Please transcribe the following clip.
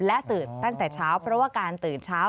และตื่นตั้งแต่เช้าเพราะว่าการตื่นเช้า